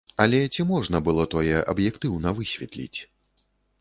Але ці можна было тое аб'ектыўна высветліць?